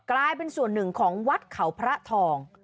กลายเป็นส่วนหนึ่งของวัดเขาพระทอง